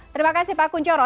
terima kasih pak kunchoro